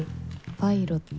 パイロット！？